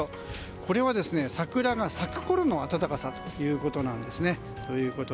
これは桜が咲くころの暖かさということなんです。